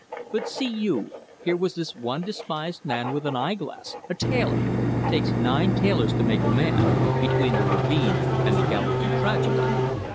But see you, here was this one despised man with an eye glass, a tailor takes nine tailors to make a man! between the ravine and the galloping tragedy.